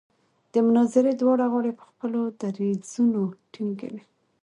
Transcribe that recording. د مناظرې دواړه غاړې په خپلو دریځونو ټینګې وې.